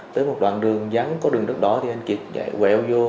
tới một đoạn đường dắn có đường đất đỏ thì anh kiệt quẹo vô